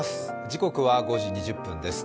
時刻は５時２０分です。